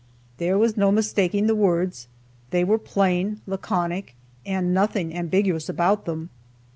There was no mistaking the words; they were plain, laconic, and nothing ambiguous about them.